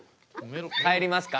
帰りますか？